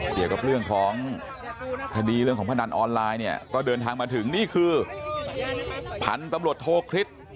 เกี่ยวกับเรื่องของคดีเรื่องของพนันออนไลน์เนี่ยก็เดินทางมาถึงนี่คือพันธุ์ตำรวจโทคริสต์